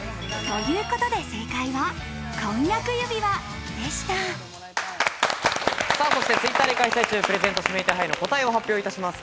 ということで、正解は婚約指そしてＴｗｉｔｔｅｒで開催中、プレゼント指名手配の答えを発表いたします。